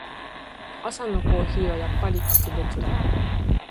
朝のコーヒーはやっぱり格別だ。